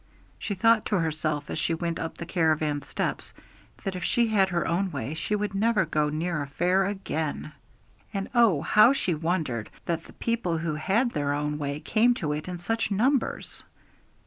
She thought to herself, as she went up the caravan steps, that if she had her own way she would never go near a fair again; and oh, how she wondered that the people who had their own way came to it in such numbers!